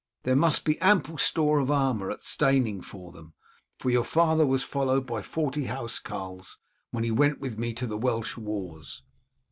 There must be ample store of armour at Steyning for them, for your father was followed by forty house carls when he went with me to the Welsh wars.